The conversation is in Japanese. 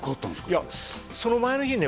それいやその前の日にね